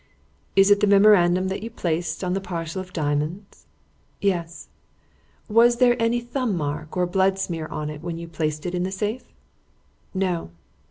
"Is it the memorandum that you placed on the parcel of diamonds?" "Yes." "Was there any thumb mark or blood smear on it when you placed it in the safe?" "No."